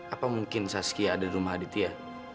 apa mungkin saski ada di rumah aditya